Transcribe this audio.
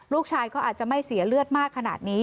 ลูกชายก็อาจจะไม่เสียเลือดมากขนาดนี้